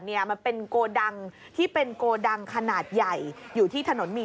เนี่ยมันเป็นโกดังที่เป็นโกดังขนาดใหญ่อยู่ที่ถนนมี